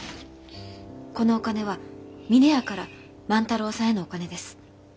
このお金は峰屋から万太郎さんへのお金です。